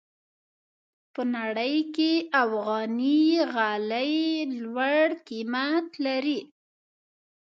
په نړۍ کې افغاني غالۍ لوړ قیمت لري.